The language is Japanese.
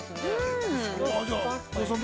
◆うん！